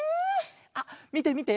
あっみてみて！